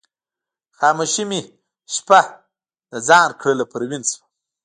خاموشي مې شپه د ځان کړله پروین شوم